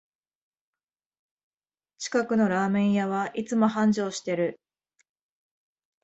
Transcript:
近くのラーメン屋はいつも繁盛してる